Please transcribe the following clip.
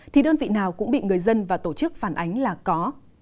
thì đơn vị nào cũng bị người dân và tổ chức phản ánh là có